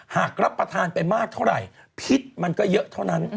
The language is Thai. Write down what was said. หากรับประทานไปมากเท่าไหร่พิษมันก็เยอะเท่านั้น